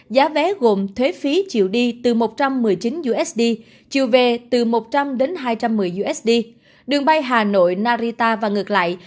giá vé gồm thuế phí chiều đi từ một trăm một mươi chín usd chiều vé từ một trăm linh hai trăm một mươi usd đường bay hà nội narita và ngược lại